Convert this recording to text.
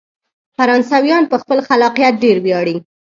فرانسویان په خپل خلاقیت ډیر ویاړي.